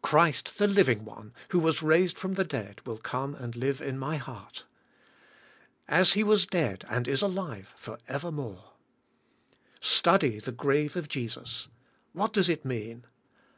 Christ the Liv ing One, who was raised from death, will come and live in my heart. "As He was dead, and is alive, for evermore." Study the grave of Jesus. What does it mean?